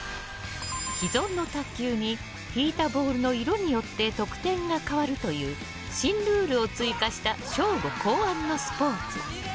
既存の卓球に引いたボールの色によって得点が変わるという新ルールを追加した省吾考案のスポーツ。